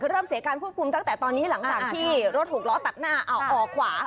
เริ่มเสียการควบคุมตั้งแต่ตอนนี้หลังจากที่รถหกล้อตัดหน้าเอาออกขวา